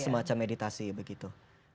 semacam meditasi begitu